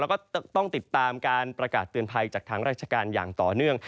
แล้วก็ต้องติดตามการประกาศเตือนภัยจากทางราชการอย่างต่อเนื่อง